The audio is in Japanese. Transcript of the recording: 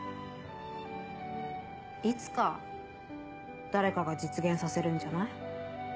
いつか誰かが実現させるんじゃない？